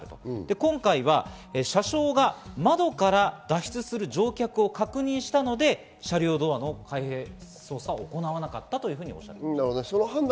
今回は車掌が窓から脱出する乗客を確認したので車両ドアの開閉操作を行わなかったということです。